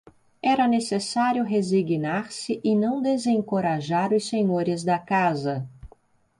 Era necessário resignar-se e não desencorajar os senhores da casa.